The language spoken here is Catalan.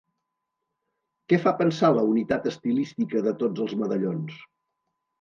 Què fa pensar la unitat estilística de tots els medallons?